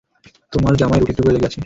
তোমার জামায় রুটির টুকরো লেগে আছে।